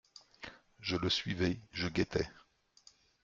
Je le suivais, je guettais.